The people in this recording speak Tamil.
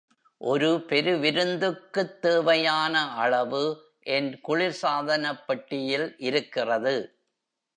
ஒரு பெருவிருந்துக்குத் தேவையான அளவு என் குளிர்சாதனப்பெட்டியில் இருக்கிறது.